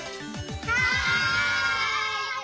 はい！